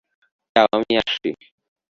যাও, আমি আসছি।